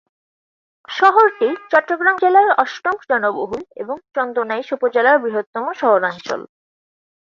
শহরটি চট্টগ্রাম জেলার অষ্টম জনবহুল এবং চন্দনাইশ উপজেলার বৃহত্তম শহরাঞ্চল।